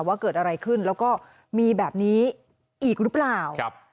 ว่าเกิดอะไรขึ้นแล้วก็มีแบบนี้อีกหรือเปล่า